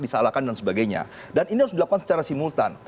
disalahkan dan sebagainya dan ini harus dilakukan secara simultan